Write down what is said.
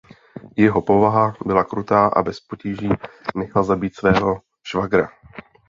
Jeho povaha byla krutá a bez potíží nechal zabít svého švagra.